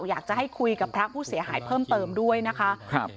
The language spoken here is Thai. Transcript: อยากจะให้คุยกับพระผู้เสียหายเพิ่มเติมด้วยนะคะครับ